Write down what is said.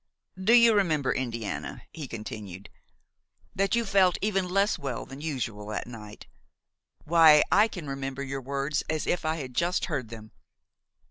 "Do you remember, Indiana," he continued, "that you felt even less well than usual that night? Why, I can remember your words as if I had just heard them.